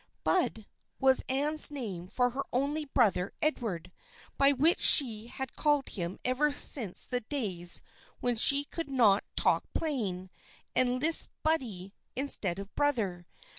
" Bud " was Anne's name for her only brother Edward, by which she had called him ever since the days when she could not " talk plain " and lisped " Buddie " instead of " brother."